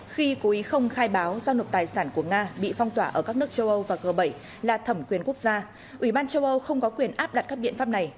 khi cố ý không khai báo giao nộp tài sản của nga bị phong tỏa ở các nước châu âu và g bảy là thẩm quyền quốc gia ủy ban châu âu không có quyền áp đặt các biện pháp này